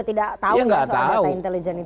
tidak tahu ya soal data intelijen itu